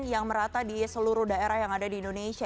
yang merata di seluruh daerah yang ada di indonesia